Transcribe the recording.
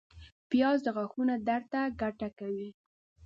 پیاز د غاښونو درد ته ګټه کوي